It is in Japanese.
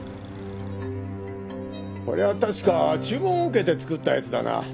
これは確か注文を受けて作ったやつだな。